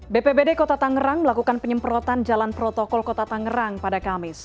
bpbd kota tangerang melakukan penyemprotan jalan protokol kota tangerang pada kamis